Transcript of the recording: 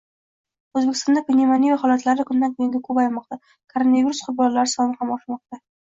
O‘zbekistonda pnevmoniya holatlari kundan kunga ko‘paymoqda, koronavirus qurbonlari soni ham oshmoqda